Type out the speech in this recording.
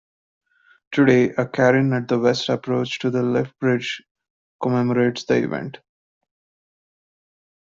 Today, a cairn at the west approach to the lift bridge commemorates the event.